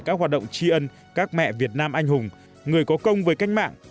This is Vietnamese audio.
các hoạt động tri ân các mẹ việt nam anh hùng người có công với cách mạng